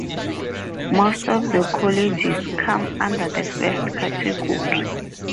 Most of the colleges come under the first category.